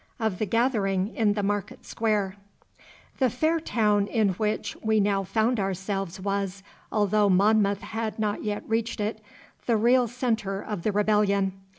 Of the Gathering in the Market square The fair town in which we now found ourselves was, although Monmouth had not yet reached it, the real centre of the rebellion.